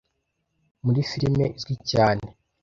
muri firime izwi cyane